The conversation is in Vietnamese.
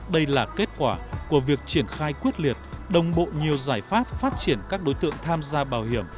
đây là kết quả của việc triển khai quyết liệt đồng bộ nhiều giải pháp phát triển các đối tượng tham gia bảo hiểm